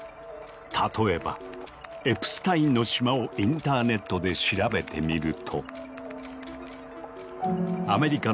例えば「エプスタインの島」をインターネットで調べてみると。